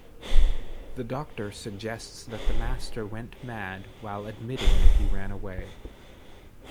The Doctor suggests that the Master went mad, while admitting that he ran away.